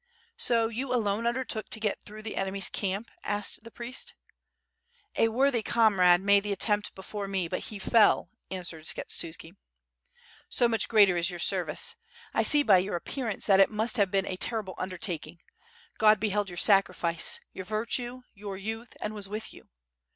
"So you alone undertook to get through the enemy's camp?" asked the priest. "A worthy comrade made the attempt before me, but he fell," answered Skshetuski. "So much greater is your service. I see by your appear ance that it must have been a terrible undertaking. God be held your sacrifice, your virtue, your youth, and was with you."